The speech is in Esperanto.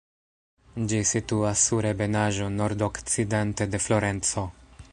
Ĝi situas sur ebenaĵo nordokcidente de Florenco.